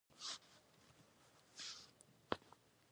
د بریسټ سرطان ښځو کې ډېر دی.